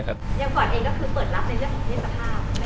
อย่างก่อนเองก็คือเปิดรับในเรื่องของเพศสภาพ